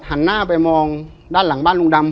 หันหน้าไปมองด้านหลังบ้านลุงดำ